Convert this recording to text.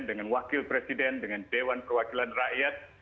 dengan wakil presiden dengan dewan perwakilan rakyat